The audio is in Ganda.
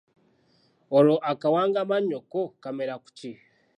Olwo akawangamannyo ko kamera ku ki?